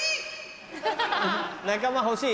仲間欲しい？